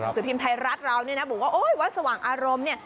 สมิทริย์ภิมธ์ไทยรัฐเรานี่นะบอกว่าวัดสว่างอารมณ์เนี่ย